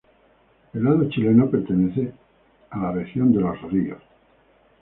El lado chileno pertenece a la Región de Los Ríos.